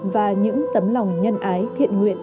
và những tấm lòng nhân ái thiện nguyện